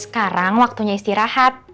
sekarang waktunya istirahat